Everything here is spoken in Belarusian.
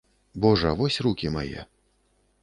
Божа, вось рукі мае.